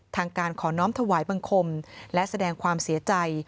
ทางการขอน้อมถวายบังคมและแสดงความเสียใจ